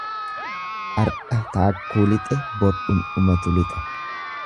Ardha taakkuu lixe, bor dhumdhumatu lixa.